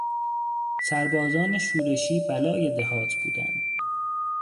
سربازان شورشی بلای دهات بودند.